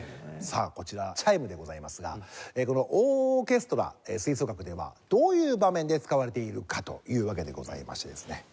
さあこちらチャイムでございますがオーケストラ吹奏楽ではどういう場面で使われているかというわけでございましてですね